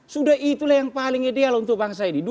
sudah itulah yang paling ideal untuk bangsa